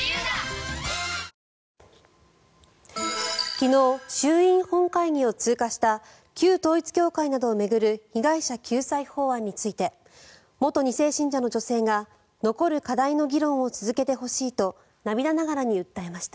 昨日衆院本会議を通過した旧統一教会などを巡る被害者救済法案について元２世信者の女性が残る課題の議論を続けてほしいと涙ながらに訴えました。